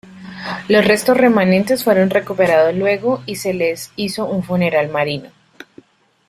Los restos remanentes fueron recuperados luego y se les hizo un funeral marino.